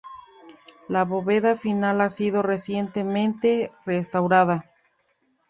La bóveda final ha sido recientemente restaurada.